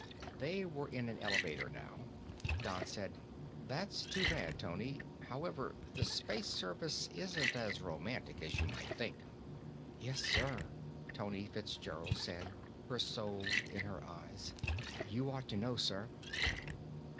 They were in an elevator now. Don said, "That's too bad, Toni. However, the Space Service isn't as romantic as you might think." "Yes, sir," Toni Fitzgerald said, her soul in her eyes. "You ought to know, sir."